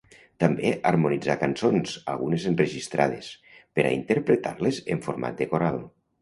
També harmonitzà cançons, algunes enregistrades, per a interpretar-les en format de coral.